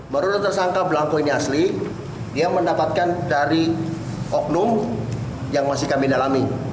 menurut tersangka belangko ini asli dia mendapatkan dari oknum yang masih kami dalami